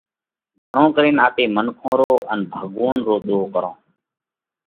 گھڻو ڪرينَ آپي منکون رو ان ڀڳوونَ رو ۮوه ڪرونه۔